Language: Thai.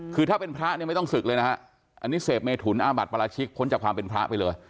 คือถ้าเป็นพระเนี่ยไม่ต้องศึกเลยนะฮะอันนี้เสพเมถุนอาบัติปราชิกพ้นจากความเป็นพระไปเลย